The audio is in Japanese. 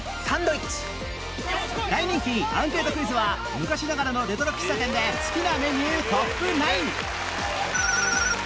大人気アンケートクイズは昔ながらのレトロ喫茶店で好きなメニュートップ９